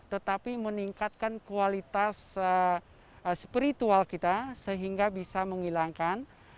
tetapi meningkatkan kualitas spiritual kita sehingga bisa menghilangkan